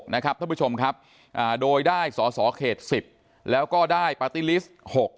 ท่านผู้ชมครับโดยได้สอสอเขต๑๐แล้วก็ได้ปาร์ตี้ลิสต์๖